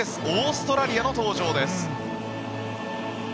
オーストラリアの登場です。